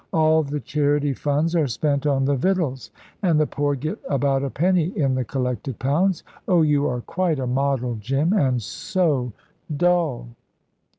All the charity funds are spent on the victuals, and the poor get about a penny in the collected pounds. Oh, you are quite a model, Jim, and so dull."